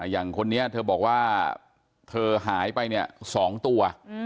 อย่างคนนี้เธอบอกว่าเธอหายไปเนี่ย๒ตัว